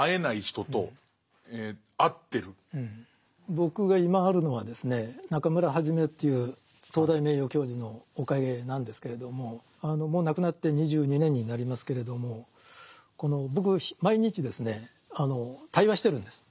僕が今あるのはですね中村元という東大名誉教授のおかげなんですけれどももう亡くなって２２年になりますけれどもこの僕毎日ですね対話してるんです。